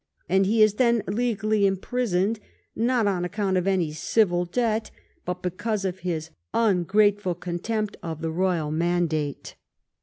And he is then legally im prisoned, not on account of any civil debt, but because of his ungrateful contempt of the Royal mandate.